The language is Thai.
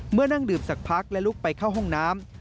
นั่งดื่มสักพักและลุกไปเข้าห้องน้ำ